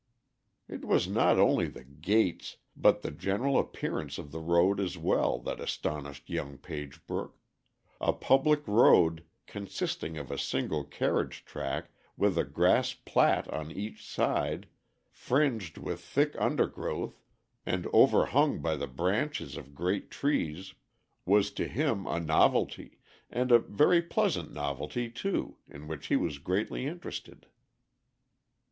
It was not only the gates, but the general appearance of the road as well, that astonished young Pagebrook: a public road, consisting of a single carriage track, with a grass plat on each side, fringed with thick undergrowth and overhung by the branches of great trees, was to him a novelty, and a very pleasant novelty too, in which he was greatly interested.